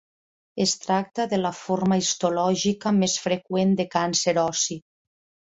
Es tracta de la forma histològica més freqüent de càncer ossi.